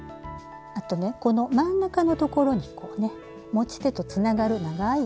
あとねこの真ん中のところにこうね持ち手とつながる長い。